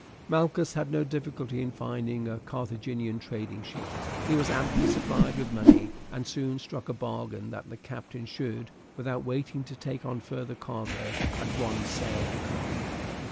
Malchus had no difficulty in finding a Carthaginian trading ship. He was amply supplied with money, and soon struck a bargain that the captain should, without waiting to take in further cargo, at once sail for Carthage.